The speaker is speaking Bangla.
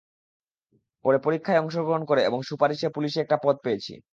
পরে পরীক্ষায় অংশগ্রহণ করে এবং সুপারিশে, পুলিশে একটা পদ পেয়েছি।